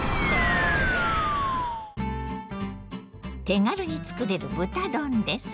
手軽につくれる豚丼です。